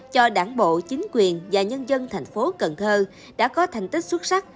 cho đảng bộ chính quyền và nhân dân thành phố cần thơ đã có thành tích xuất sắc